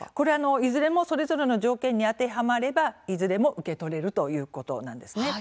いずれも条件に当てはまれば、いずれも受け取れるということです。